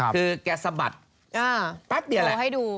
คือแกสะบัดปั๊ดเดี๋ยวแหละ